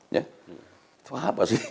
itu apa sih